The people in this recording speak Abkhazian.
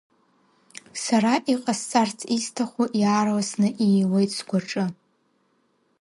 Сара иҟасҵарц исҭаху иаарласны ииуеит сгәаҿы.